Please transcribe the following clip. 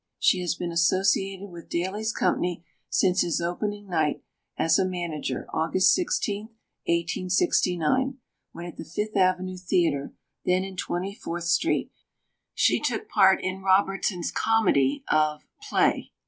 She has been associated with Daly's company[Pg 377] since his opening night as a manager, August 16, 1869, when, at the Fifth Avenue theatre, then in Twenty fourth Street, she took part in Robertson's comedy of Play.